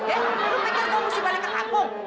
eh lo pikir lo mesti balik ke kampung